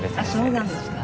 そうなんですか。